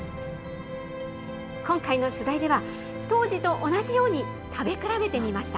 今回の取材では、当時と同じように食べ比べてみました。